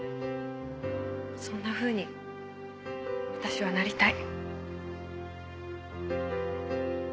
そんなふうに私はなりたい。